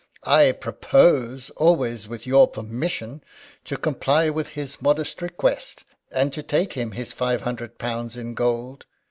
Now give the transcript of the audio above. I propose always with your permission to comply with his modest request, and to take him his five hundred pounds in gold."